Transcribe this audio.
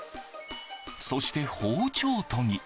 そして、包丁研ぎ。